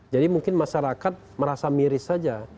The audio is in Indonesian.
jadi mungkin masyarakat merasa miris saja